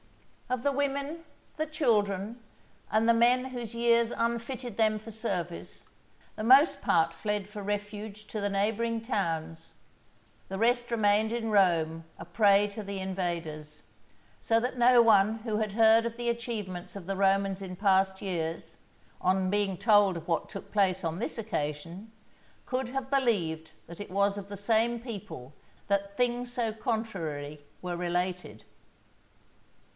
Of the women, the children, and the men whose years unfitted them for service, the most part fled for refuge to the neighbouring towns, the rest remained in Rome a prey to the invaders; so that no one who had heard of the achievements of the Romans in past years, on being told of what took place on this occasion, could have believed that it was of the same people that things so contrary were related.